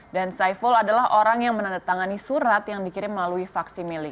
dan saiful adalah orang yang menandatangani surat yang dikirim melalui vaksimili